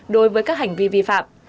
đối với các hành vi vi phạm